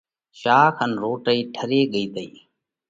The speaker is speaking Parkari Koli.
شاک ان روٽي ٺري ڳي تي۔